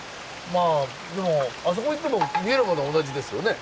でもあそこ行っても見えるものは同じですよね。